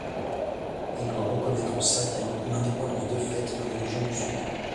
Il doit reconnaître aux Saadiens une indépendance de fait dans les régions du Sud.